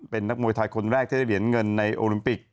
เป็นนักมวยไทยคนแรกที่ได้เหรียญเงินในโอลิมปิก